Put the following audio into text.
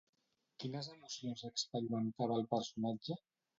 Quines emocions experimentava el personatge?